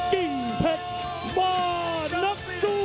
กิ้งเผ็ดบ่านักซู่